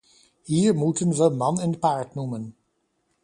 Hier moeten we man en paard noemen.